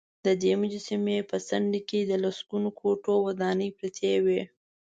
ددې مجسمې په څنډې کې د لسګونو کوټو ودانې پراته وې.